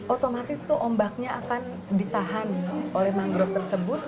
otomatis itu ombaknya akan ditahan oleh mangrove tersebut